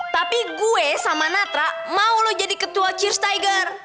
tapi gue sama natra mau lo jadi ketua cheers tiger